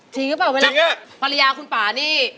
จริงหรือเปล่าเวลาภรรยาคุณป่านี่